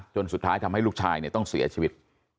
จนสุดท้ายทำให้ลูกชายต้องเสียชีวิต